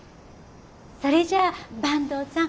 それじゃあ坂東さん